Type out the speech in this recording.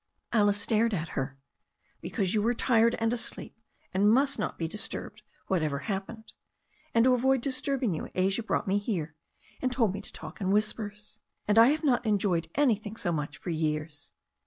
Alice stared at her. "Because you were tired and asleep, and must not be dis turbed, whatever happened. And to avoid disturbing you Asia brought me here, and told me to talk in whispers. And I have not enjoyed anything so much for years.